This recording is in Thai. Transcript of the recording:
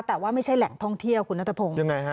แต่ว่าไม่ใช่แหล่งท่องเที่ยวคุณนัทพงศ์ยังไงฮะ